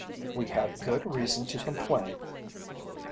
"We had good reason to complain."